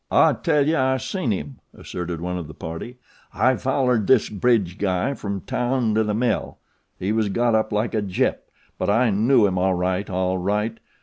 "I tell you I seen him," asserted one of the party. "I follered this Bridge guy from town to the mill. He was got up like a Gyp; but I knew him all right, all right.